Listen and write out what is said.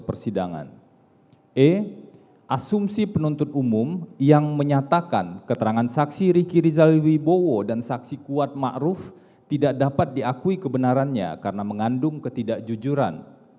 b asumsi penuntut umum yang menyatakan keterangan saksi ricky rizal wibowo dan saksi kuat ma'ruf tidak dapat diakui kebenarannya karena mengandung ketidakjujuran